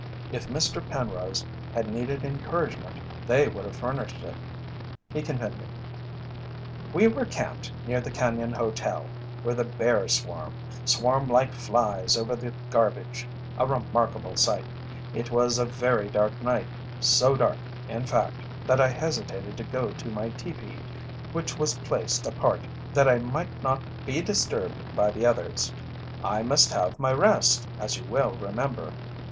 If Mr. Penrose had needed encouragement they would have furnished it. He continued: "We were camped near the Cañon Hotel where the bears swarm swarm like flies over the garbage. A remarkable sight. It was a very dark night so dark, in fact, that I hesitated to go to my teepee, which was placed apart that I might not be disturbed by the others. I must have my rest, as you will remember.